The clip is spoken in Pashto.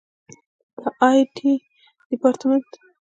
د آی ټي ډیپارټمنټ